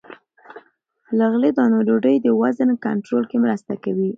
له غلې- دانو ډوډۍ د وزن کنټرول کې مرسته کوي.